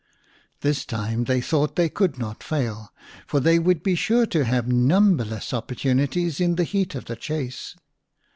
This time they thought they could not fail, for they would be sure to have numberless opportunities in the heat of the chase.